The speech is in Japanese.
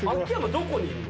どこにいるの？